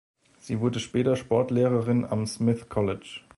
Sie wurde später Sportlehrerin am Smith College.